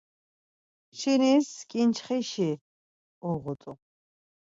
Kçinis ǩinçxişi uğut̆u.